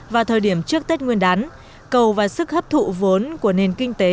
vào thời điểm trước tết nguyên đán cầu và sức hấp thụ vốn của nền kinh tế